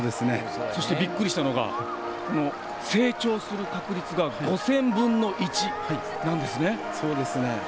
そして、びっくりしたのが成長する確率が５０００分の１なんですね。